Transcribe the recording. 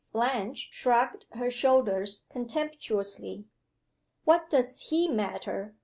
Blanche shrugged her shoulders contemptuously. "What does he matter?"